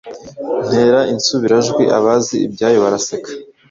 Ntera insubirajwi abazi ibyayo baraseka